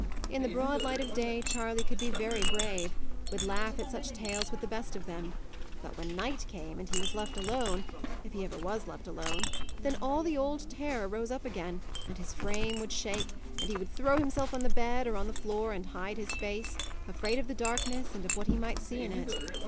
In the broad light of day, Charley could be very brave; would laugh at such tales with the best of them; but when night came, and he was left alone if he ever was left alone then all the old terror rose up again, and his frame would shake, and he would throw himself on the bed or on the floor, and hide his face; afraid of the darkness, and of what he might see in it.